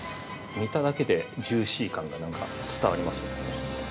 見ただけで、ジューシー感がなんか伝わりますよね。